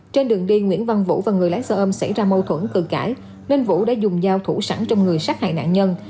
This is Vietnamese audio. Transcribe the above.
trên đường đi nguyễn văn vũ và người lái xe ôm xảy ra mâu thuẫn cự cãi nên vũ đã dùng dao thủ sẵn trong người sát hại nạn nhân